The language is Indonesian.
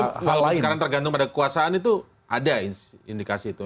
kalau sekarang tergantung pada kekuasaan itu ada indikasi itu